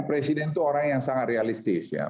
presiden itu orang yang sangat realistis ya